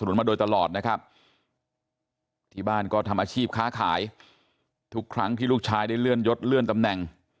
หลังที่ลูกชายได้เลื่อนยดเลื่อนตำแหน่ง